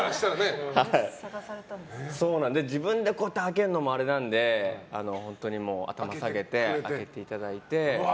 自分で開けるのもあれなので本当に頭を下げて開けていただいて。